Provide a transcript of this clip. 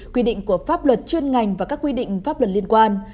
quy định của pháp luật chuyên ngành và các quy định pháp luật liên quan